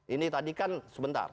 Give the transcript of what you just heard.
ini tadi kan sebentar